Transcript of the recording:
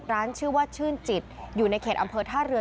ชื่อว่าชื่นจิตอยู่ในเขตอำเภอท่าเรือ